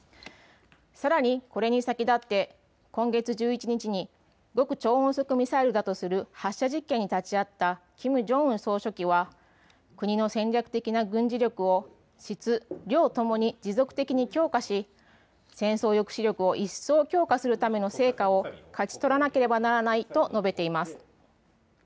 さらにこれに先立って今月１１日に超音速ミサイルだとする発射実験に立ち会ったキム・ジョンウン総書記は国の戦略的な軍事力を質、量ともに持続的に強化し戦争抑止力を一層強化するための成果を勝ち取らなければならないと述べています。